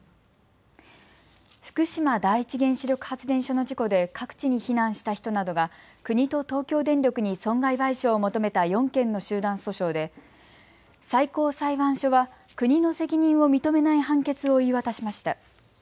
福島第一原子力発電所の事故で各地に避難した人などが国と東京電力に損害賠償を求めた４件の集団訴訟で最高裁判所は国の責任を認めない判決を言い渡しました。